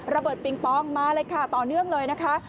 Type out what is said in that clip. ปิงปองมาเลยค่ะต่อเนื่องเลยนะคะ